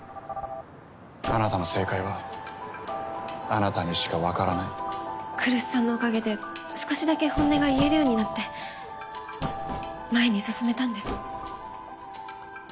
あなたの正解はあなたにしかわからない来栖さんのおかげで少しだけ本音が言えるようになって前に進めたんです。